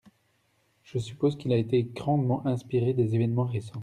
Je suppose qu’il a été grandement inspiré des événements récents.